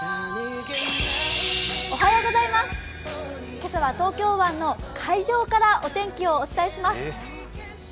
今朝は東京湾の海上からお天気をお伝えします。